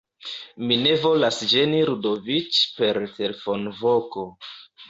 Mi ne volas ĝeni Ludoviĉ per telefonvoko.